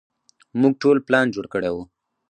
موږ ټول پلان جوړ کړى و.